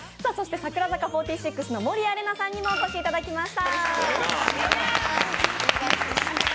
櫻坂４６の守屋麗奈さんにもお越しいただきました。